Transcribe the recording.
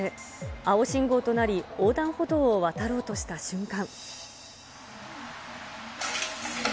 青信号となり、横断歩道を渡ろうとした瞬間。